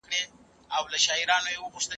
خپله طالع پخپله جوړه کړه.